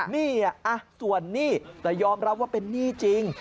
หนี้ส่วนหนี้แต่ยอมรับว่าเป็นหนี้จริง